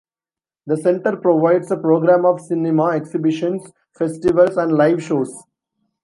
The centre provides a programme of cinema, exhibitions, festivals and live shows.